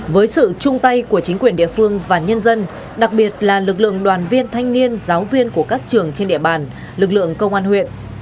với sự chung tay của chính quyền địa phương và nhân dân đặc biệt là lực lượng đoàn viên thanh niên giáo viên của các trường trên địa bàn lực lượng công an huyện